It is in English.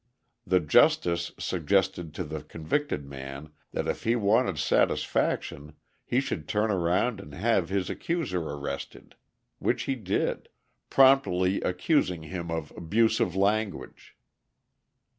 The justice suggested to the convicted man that if he wanted satisfaction he should turn around and have his accuser arrested; which he did, promptly accusing him of "'busive language."